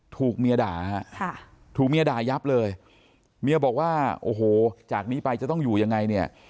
ถูกเมียด่ายับเลยเมียบอกว่าโอ้โหจากนี้ไปจะต้องอยู่ยังไง